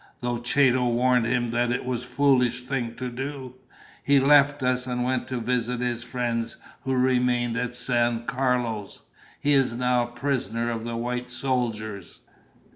"Though Chato warned him that it was a foolish thing to do, he left us and went to visit his friends who remain at San Carlos. He is now a prisoner of the white soldiers."